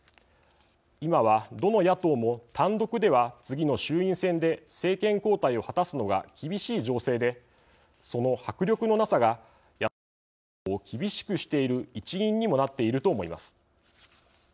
今は、どの野党も単独では、次の衆院選で政権交代を果たすのが厳しい情勢でその迫力のなさが野党共闘を厳しくしている一因にもなっていると思います。